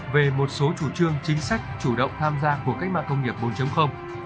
về một số chủ trương chính sách chủ động tham gia của cách mạng công nghiệp bốn